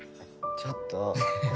ちょっと。